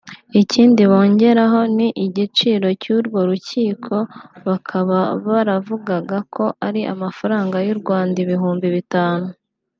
Ikindi bogeragaho ni igiciro cy’urwo rukiko bakaba baravugaga ko ari amafaranga y’ u Rwanda ibihumbi bitanu